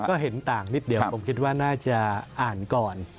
ก็เห็นต่างนิดเดียวผมคิดว่าน่าจะอ่านก่อน